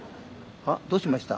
あ？どうしました？